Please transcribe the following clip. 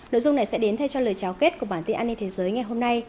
nội dung này sẽ đến thay cho lời tráo kết của bản tin an ninh thế giới ngày hôm nay